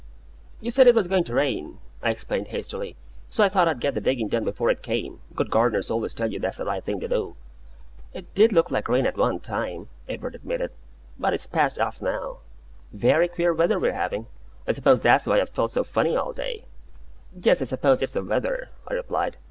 "You said it was going to rain," I explained, hastily; "so I thought I'd get the digging done before it came. Good gardeners always tell you that's the right thing to do." "It did look like rain at one time," Edward admitted; "but it's passed off now. Very queer weather we're having. I suppose that's why I've felt so funny all day." "Yes, I suppose it's the weather," I replied.